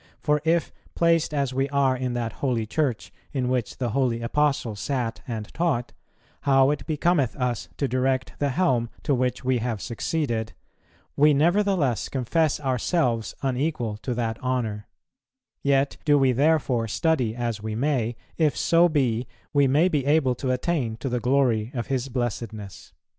For if, placed as we are in that Holy Church, in which the Holy Apostle sat and taught, how it becometh us to direct the helm to which we have succeeded, we nevertheless confess ourselves unequal to that honour; yet do we therefore study as we may, if so be we may be able to attain to the glory of his blessedness."